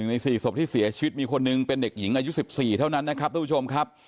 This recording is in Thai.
ใน๔ศพที่เสียชีวิตมีคนหนึ่งเป็นเด็กหญิงอายุ๑๔เท่านั้นนะครับทุกผู้ชมครับ